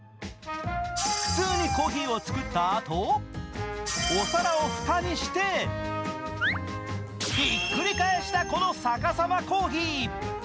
普通にコーヒーを作ったあとお皿にふたをしてひっくり返したこの逆さまコーヒー。